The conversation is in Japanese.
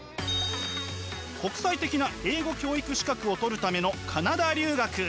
国際的な英語教育資格を取るためのカナダ留学。